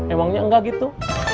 emangnya enggak gitu